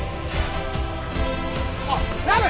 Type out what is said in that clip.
あっラブ！